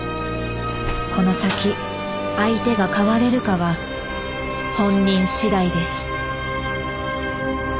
この先相手が変われるかは本人次第です。